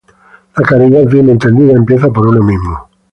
La caridad bien entendida empieza por uno mismo